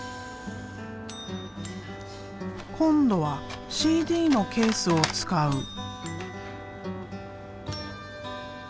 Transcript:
今度はＣＤのケースを使う。